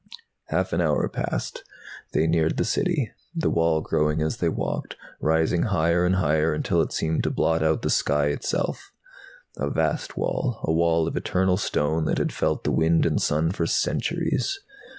Half an hour passed. They neared the City, the wall growing as they walked, rising higher and higher until it seemed to blot out the sky itself. A vast wall, a wall of eternal stone that had felt the wind and sun for centuries.